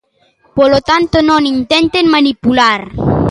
Polo tanto, non intenten manipular.